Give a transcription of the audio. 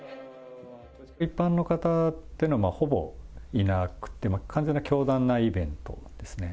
一般の方っていうのは、ほぼいなくて、完全な教団内イベントですね。